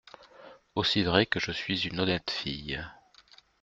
Aussi vrai que je suis une honnête fille !